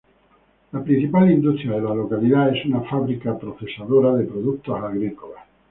La principal industria de la localidad es una fábrica procesadora de productos agrícolas.